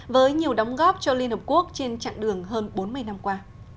với nhiều đóng góp cho liên hợp quốc trên chặng đường hơn bốn mươi năm qua